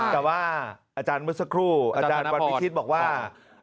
แต่ว่าอาจารย์เมื่อสักครู่อาจารย์วันพิชิตบอกว่า